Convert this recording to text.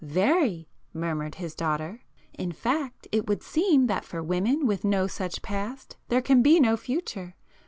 "Very!" murmured his daughter.—"In fact it would seem that for women with no such 'past' there can be no future!